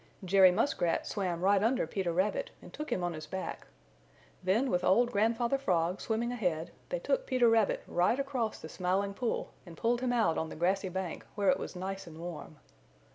Jerry Muskrat swam right under Peter Rabbit and took him on his back. Then with old Grandfather Frog swimming ahead they took Peter Rabbit right across the Smiling Pool and pulled him out on the grassy bank, where it was nice and warm.